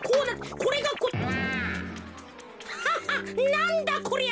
なんだこりゃ。